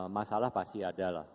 masalah pasti ada lah